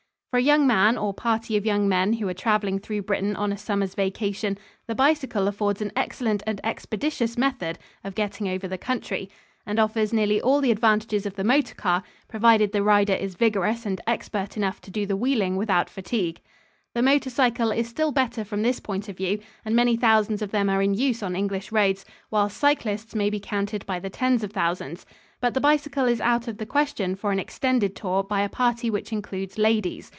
For a young man or party of young men who are traveling through Britain on a summer's vacation, the bicycle affords an excellent and expeditious method of getting over the country, and offers nearly all the advantages of the motor car, provided the rider is vigorous and expert enough to do the wheeling without fatigue. The motor cycle is still better from this point of view, and many thousands of them are in use on English roads, while cyclists may be counted by the tens of thousands. But the bicycle is out of the question for an extended tour by a party which includes ladies.